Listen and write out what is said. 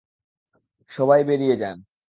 সবাই বেরিয়ে যান।